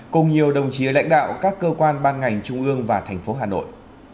cùng nhiều đồng chí lãnh đạo các cơ quan ban ngành trung ương và thành phố hà nội